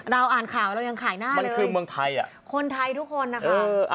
เราอ่านข่าวเรายังขายหน้าเลยคนไทยทุกคนนะคะ